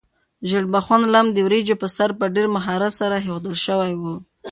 ژیړبخون لم د وریجو په سر په ډېر مهارت سره ایښودل شوی و.